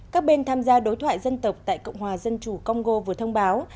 các bên tham gia đối thoại dân tộc tại cộng hòa dân chủ congo vừa thông báo